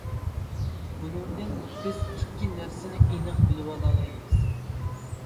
بۇنىڭدىن بىز ئىككى نەرسىنى ئېنىق بىلىۋالالايمىز.